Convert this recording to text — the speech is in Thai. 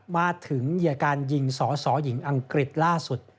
มาถึงเหยียการยิงสอสอหญิงอังกฤษล่าสุด